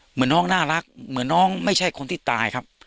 เหมือนน้องน่ารักเหมือนน้องไม่ใช่คนที่ตายครับ